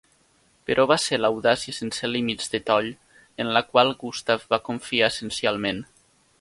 Però va ser a l'audàcia sense límits de Toll en la qual Gustav va confiar essencialment.